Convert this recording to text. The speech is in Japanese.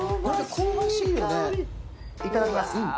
いただきます。